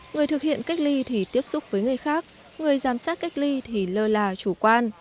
người thực hiện cách ly thì tiếp xúc với người khác người giám sát cách ly thì lơ là chủ quan